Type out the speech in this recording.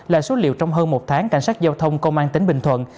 là số liệu trong hơn một tháng cảnh sát giao thông công an tỉnh bình thuận